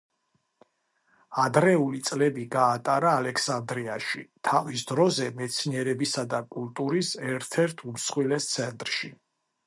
ადრეული წლები გაატარა ალექსანდრიაში, თავის დროზე მეცნიერებისა და კულტურის ერთ-ერთ უმსხვილეს ცენტრში.